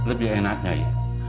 lebih enak nyai